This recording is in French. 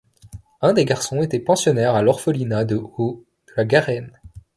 Un des garçons était pensionnaire à l'orphelinat de Haut de la Garenne.